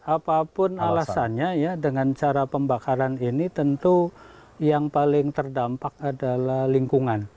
apapun alasannya ya dengan cara pembakaran ini tentu yang paling terdampak adalah lingkungan